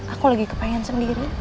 aku lagi kepengen sendiri